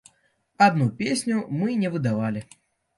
Адну песню мы не выдавалі.